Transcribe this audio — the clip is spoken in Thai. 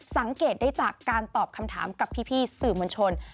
สังเกตได้จากการตอบคำถามกับพี่สื่อมวลชน